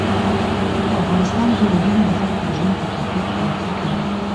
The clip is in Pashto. په افغانستان کې وګړي د خلکو د ژوند په کیفیت تاثیر کوي.